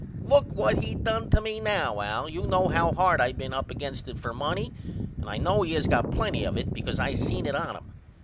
Look what he done to me now Al. You know how hard I been up against it for money and I know he has got plenty of it because I seen it on him.